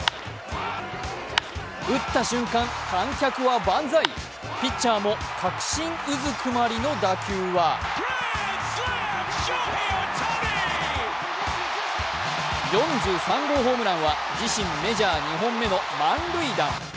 打った瞬間、観客はバンザイ、ピッチャーも確信うずくまりの打球は４３号ホームランは、自身メジャー２本目の満塁弾。